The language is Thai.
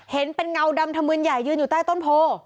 เห็นเป็นเงาดำธมืนใหญ่ยืนอยู่ใต้ต้นโพ